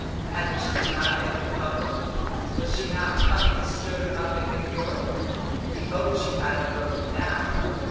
Hadn't she come out yet in public? was she not coming to stir them up in New York? He hoped she hadn't broken down.